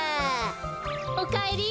おかえり。